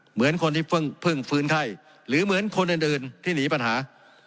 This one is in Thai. เหมือนคนที่เพิ่งฟื้นไข้หรือเหมือนคนอื่นที่หนีปัญหา